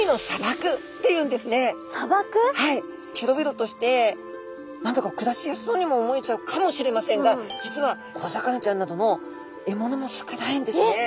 広々として何だか暮らしやすそうにも思えちゃうかもしれませんが実は小魚ちゃんなどの獲物も少ないんですね。